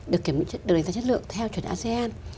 được đánh giá chất lượng theo chuẩn asean